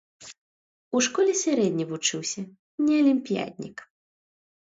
У школе сярэдне вучыўся, не алімпіяднік.